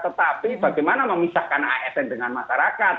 tetapi bagaimana memisahkan asn dengan masyarakat